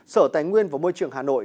sở tài nguyên và môi trường hà nội